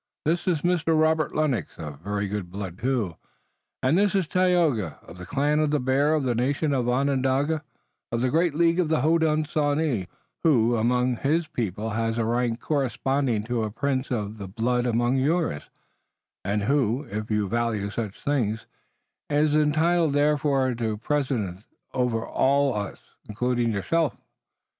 This is Mr. Robert Lennox, of very good blood too, and this is Tayoga, of the Clan of the Bear, of the nation Onondaga, of the great League of the Hodenosaunee, who, among his own people has a rank corresponding to a prince of the blood among yours, and who, if you value such things, is entitled therefore to precedence over all of us, including yourself.